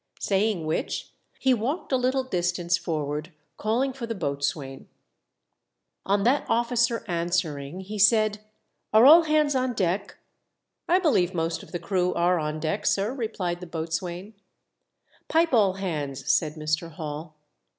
Saying which he walked a little distance forward, calling for the boatswain. On that officer answering, he said, "Are all hands on deck }"*• I believe most of the crew are on deck, sir," replied the boatswain. MR. HALL HARANGUES THE CREW. 59 " Pipe all hands," said Mr. Hall.